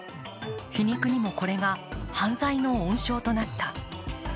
皮肉にも、これが犯罪の温床となった。